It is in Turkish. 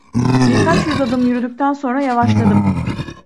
Birkaç yüz adım yürüdükten sonra yavaşladım.